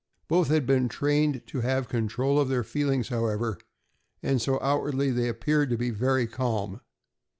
Both had been trained to have control of their feelings, however, and so outwardly they appeared to be very calm.